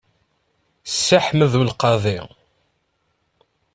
Sidi Ḥmed U Lqaḍi.